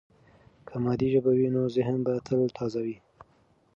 که مادي ژبه وي، نو ذهن به تل تازه وي.